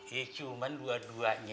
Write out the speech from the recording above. ya cuman dua duanya